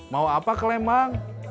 mau apa ke lembang